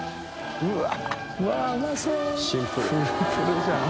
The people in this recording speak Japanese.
うわっ！